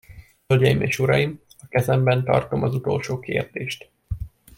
Hölgyeim és uraim, a kezemben tartom az utolsó kérdést.